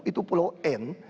itu pulau n